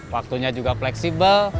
waktunya juga fleksibel